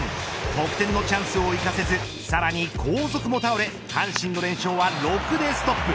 得点のチャンスを生かせずさらに後続も倒れ阪神の連勝は６でストップ。